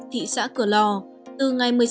thị xã cửa lò từ ngày